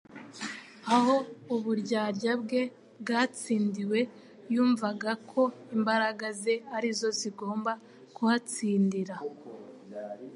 Aho uburyarya bwe bwatsindiwe yumvaga ko imbaraga ze ari zo zigomba kuhatsindira..